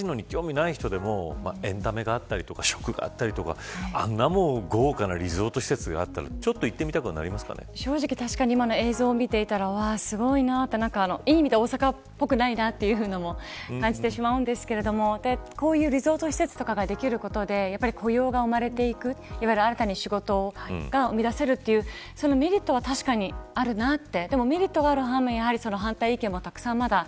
サヘルさんカジノに興味がない人でもエンタメがあったり食があったりあんな豪華なリゾート施設があったら、ちょっと正直、確かに今の映像を見ていたらすごいなって、いい意味で大阪っぽくないなと感じてしまうんですけれどもこういうリゾート施設とかができることで雇用が生まれていく新たに仕事が生み出せるというメリットは確かにあるなと。